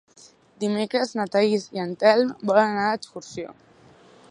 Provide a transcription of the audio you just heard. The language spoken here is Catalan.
Dimecres na Thaís i en Telm volen anar d'excursió.